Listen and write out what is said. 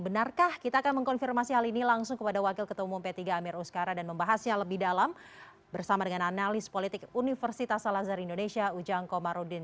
benarkah kita akan mengkonfirmasi hal ini langsung kepada wakil ketua umum p tiga amir uskara dan membahasnya lebih dalam bersama dengan analis politik universitas salazer indonesia ujang komarudin